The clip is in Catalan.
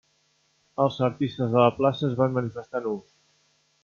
Els artistes de la plaça es van manifestar nus.